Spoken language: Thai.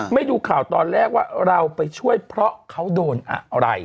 ดูข่าวตอนแรกว่าเราไปช่วยเพราะเขาโดนอะไร